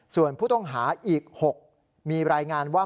ส่วนผู้ต้องหาอีก๖มีรายงานว่า